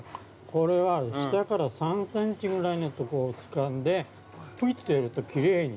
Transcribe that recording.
◆これは、下から３センチぐらいのところをつかんでぷいってやると、きれいに。